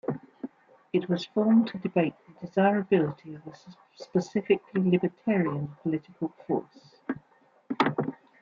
It was formed to debate the desirability of a specifically libertarian political force.